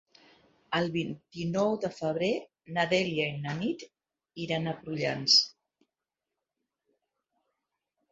El vint-i-nou de febrer na Dèlia i na Nit iran a Prullans.